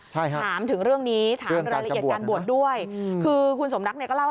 ถามถึงเรื่องนี้ถามรายละเอียดการบวชด้วยคือคุณสมรักษณ์ก็เล่าให้ฟัง